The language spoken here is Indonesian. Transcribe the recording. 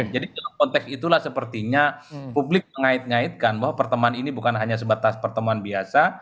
jadi dalam konteks itulah sepertinya publik mengait ngaitkan bahwa pertemuan ini bukan hanya sebatas pertemuan biasa